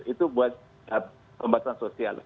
itu buat pembantuan sosial